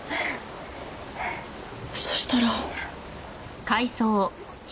そしたら。